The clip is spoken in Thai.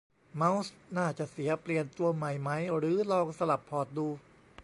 เมาส์น่าจะเสีย เปลี่ยนตัวใหม่ไหม หรือลองสลับพอร์ตดู